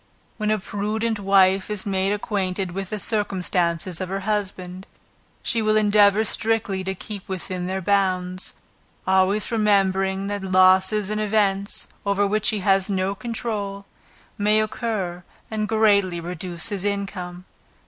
When a prudent wife is made acquainted with the circumstances of her husband, she will endeavor strictly to keep within their bounds; always remembering that losses and events, over which he has no control, may occur and greatly reduce his income.